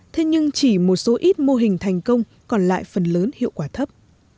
thế nhưng chỉ một số ít mô hình thành công còn lại phần lớn hiệu quả thấp